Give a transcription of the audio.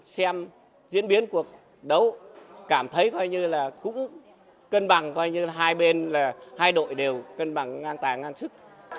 xem diễn biến cuộc cảm thấy coi như là cũng cân bằng coi như là hai bên là hai đội đều cân bằng ngang tài ngăn sức